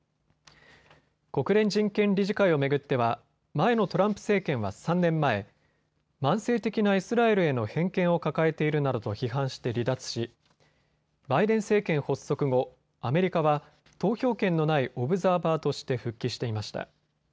国連人権理事会を巡っては前のトランプ政権は３年前、慢性的なイスラエルへの偏見を抱えているなどと批判して離脱し、バイデン政権発足後、アメリカは投票権のないオブザーバーとして復帰していました。